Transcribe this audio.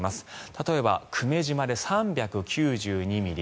例えば久米島で３９２ミリ。